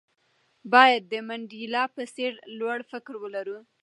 باید د منډېلا په څېر لوړ فکر ولرو.